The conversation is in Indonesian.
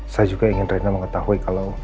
saya juga ingin raina mengetahui kalau